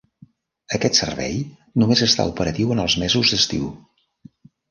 Aquest servei només està operatiu en els mesos d'estiu.